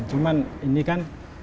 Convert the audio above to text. cuman ini kan